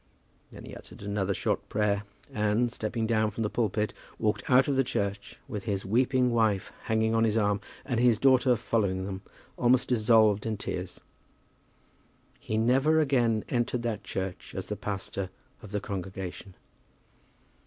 Then he uttered another short prayer, and, stepping down from the pulpit, walked out of the church, with his weeping wife hanging on his arm, and his daughter following them, almost dissolved in tears. He never again entered that church as the pastor of the congregation.